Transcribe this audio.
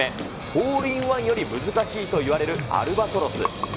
ホールインワンより難しいといわれるアルバトロス。